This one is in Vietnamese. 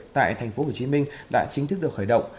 tại tp hcm đã chính thức được khởi động